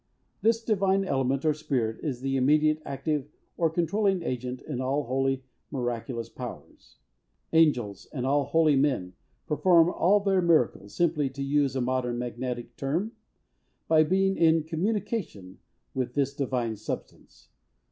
This divine element, or Spirit, is the immediate, active, or controlling agent, in all holy, miraculous powers. Angels, and all holy men, perform all their miracles, simply, to use a modern magnetic term, by being in "communication" with this divine substance.